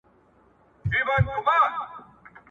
د نوماندانو ترمنځ سياسي مناظرې ولي مهمې دي؟